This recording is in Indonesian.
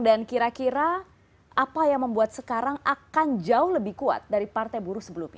dan kira kira apa yang membuat sekarang akan jauh lebih kuat dari partai buruh sebelumnya